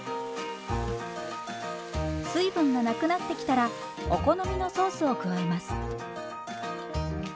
水分がなくなってきたらお好みのソースを加えます。